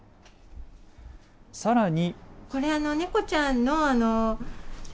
さらに。